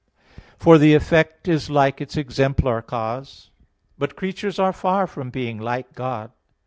For the effect is like its exemplar cause. But creatures are far from being like God.